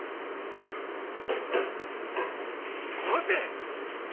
殺せ！